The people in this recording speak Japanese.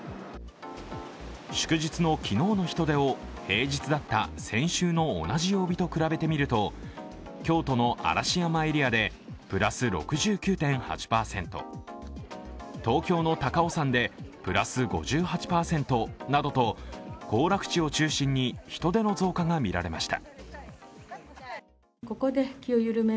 祝日の昨日の人手を平日だった先週の同じ曜日と比べてみると京都の嵐山エリアでプラス６９．８％、東京の高尾山でプラス５８％などと行楽地を中心に人出の増加がみられました。